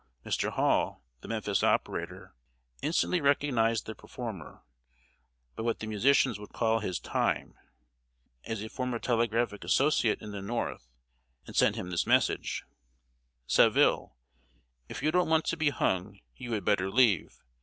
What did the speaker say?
Mr. Hall, the Memphis operator, instantly recognized the performer by what the musicians would call his "time" as a former telegraphic associate in the North; and sent him this message: "Saville, if you don't want to be hung, you had better leave.